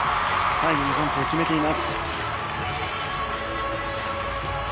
最後のジャンプを決めています。